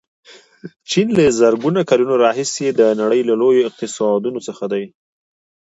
چین له زرګونو کلونو راهیسې د نړۍ له لویو اقتصادونو څخه و.